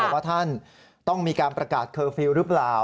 ว่าท่านต้องมีการประกาศเคอร์ฟิลล์หรือเปล่า